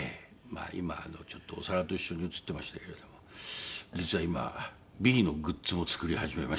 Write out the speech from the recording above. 今お皿と一緒に写ってましたけれども実は今ＢＥのグッズも作り始めまして。